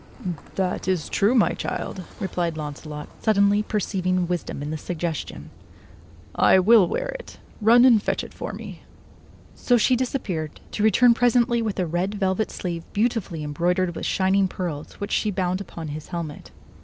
"That is true, my child," replied Launcelot, suddenly perceiving wisdom in the suggestion. "I will wear it. Run and fetch it for me." So she disappeared, to return presently with a red velvet sleeve beautifully embroidered with shining pearls which she bound upon his helmet.